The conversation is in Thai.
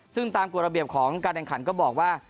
ซึ่งตามกฎระเบียบของการแข่งขันก็บอกว่า